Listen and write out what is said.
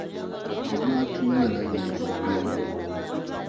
Amaatu nyɛla ninvuɣ' piɛlli.